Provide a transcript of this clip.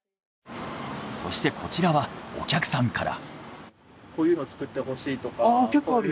そしてこちらはお客さんから。